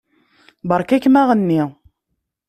Beṛka-kem aɣenni.